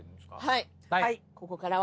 はい。